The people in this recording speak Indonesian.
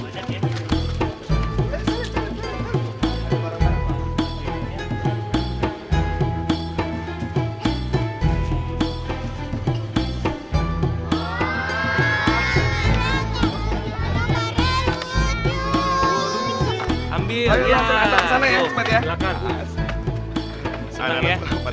sini bantuin abang cepet